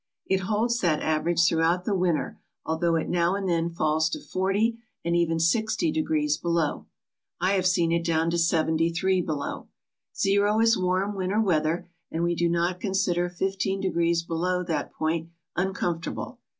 It holds that average throughout the winter although it now and then falls to forty and even sixty degrees below. I have seen it down to seventy three below. Zero is warm winter weather and we do not consider fifteen degrees below that point uncomfortable.